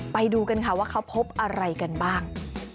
ไปดูกันค่ะว่าเขาพบอะไรกันบ้าง